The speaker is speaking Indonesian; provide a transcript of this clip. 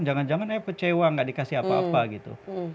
jangan jangan eh pecewa gak dikasih apa apa gitu